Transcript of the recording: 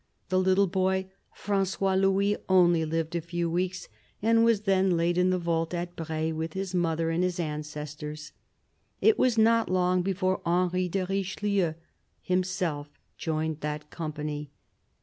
The little boy, Francois Louis, only lived a few weeks, and was then laid in the vault at Braye with his mother and his ancestors. It was not long before Henry de Richelieu himself joined that com pany.